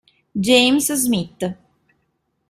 James Smith